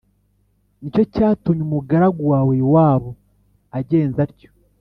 Ni cyo cyatumye umugaragu wawe Yowabu agenza atyo.